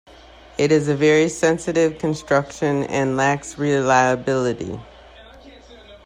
It is a very sensitive construction and lacks reliability.